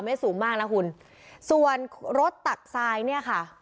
สูงมากนะคุณส่วนรถตักทรายเนี่ยค่ะ